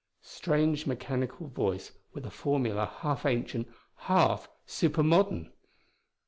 Strange mechanical voice with a formula half ancient, half super modern!